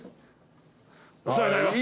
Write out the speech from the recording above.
お世話になります。